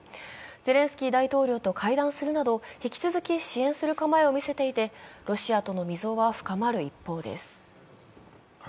ゼレンスキー大統領と会談するなど引き続き支援する構えを見せていてロシアとの溝は深まる一方です。